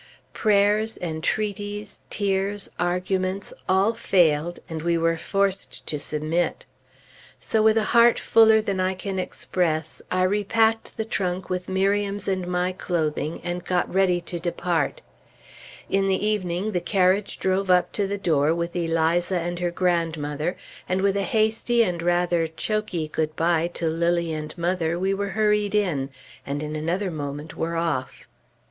Prayers, entreaties, tears, arguments, all failed; and we were forced to submit. So with a heart fuller than I can express, I repacked the trunk with Miriam's and my clothing, and got ready to depart. In the evening the carriage drove up to the door with Eliza and her grandmother, and with a hasty and rather choky good bye to Lilly and mother, we were hurried in, and in another moment were off.